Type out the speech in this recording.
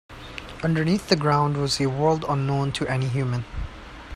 Underneath the ground was a world unknown to any human.